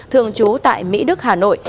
thường trú tại mỹ đức hà nội